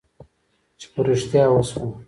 چې په رښتیا وشوه.